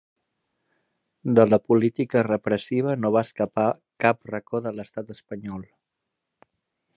De la política repressiva no va escapar cap racó de l’estat espanyol.